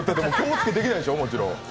もちろん。